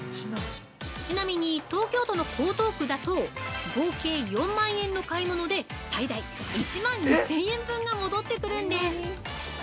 ちなみに、東京都の江東区だと合計４万円の買い物で最大１万２０００円分が戻ってくるんです！